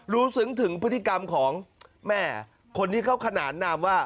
รู้สึกถึงพฤติกรรมของแม่คนที่เขาขนานนามว่า